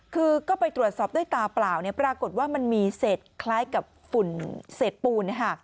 คือก็ไปตรวจสอบด้วยตาเปล่าปรากฏว่ามันมีเศษคล้ายกับฝุ่นเศษปูน